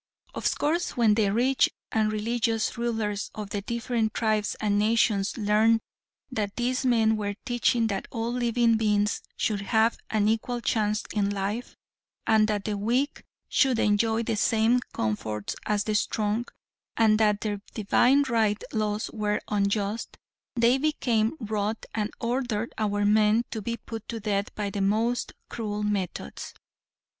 Of course when the rich and religious rulers of the different tribes and nations learned that these men were teaching that all living beings should have an equal chance in life, and that the weak should enjoy the same comforts as the strong, and that their divine right laws were unjust, they became wroth and ordered our men to be put to death by the most cruel methods.